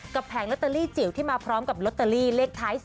แผงลอตเตอรี่จิ๋วที่มาพร้อมกับลอตเตอรี่เลขท้าย๒